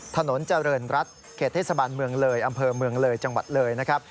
ถนนเจริญรัฐเขตเทศบาลเมืองเลยอำเภอเมืองเลยจังหวัดเลยนะครับ